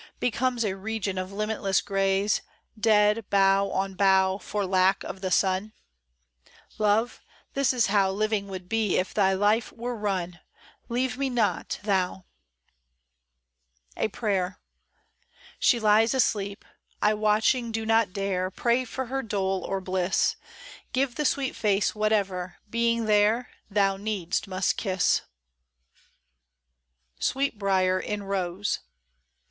Becomes a region of limitless grays. Dead, bough on bough. For lack of the sun ? Love, this is how Living would be if thy life' were ran : Leave me not, thou ! 52 A PRAYER. SHE lies asleep : I, watching, do not dare Pray for her dole or bliss : Give the sweet face whatever, being there. Thou needs must kiss I SWEET BRIAR IN ROSE.